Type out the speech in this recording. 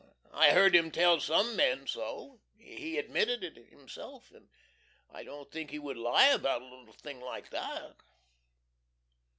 I heard him tell some men so. He admitted it himself. And I don't think he would lie about a little thing like that.